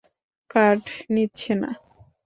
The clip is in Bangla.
কার্ড নিচ্ছে না।